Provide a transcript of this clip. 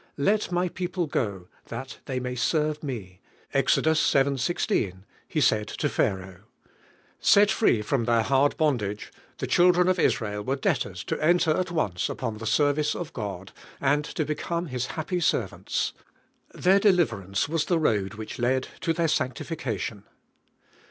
"Let My people go that (hey may serve Me" (Eeft vii. 18). He said In Pharaoh. Set free from their hard bondage, the children of Israel were debtors to enter at once upon Hie service at God, and to become Ilis happy ser Vfflnita. Their deliverance was the road which led 10 their sanriifieation.